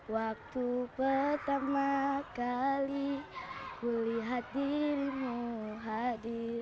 waktu pertama kali kulihat dirimu hadir